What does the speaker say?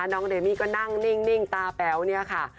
น้องเดมี่ก็นั่งนิ่งตาแป๋วเนี่ยค่ะ